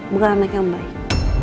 bukan anak yang baik